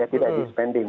tidak di spending